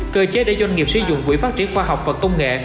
cơ chế để doanh nghiệp sử dụng quỹ phát triển khoa học và công nghệ